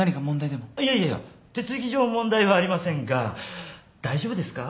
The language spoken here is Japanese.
いやいやいや手続き上問題はありませんが大丈夫ですか？